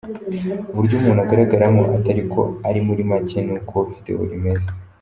uburyo umuntu agaragaramo atari ko ari muri make ni ko video imeze.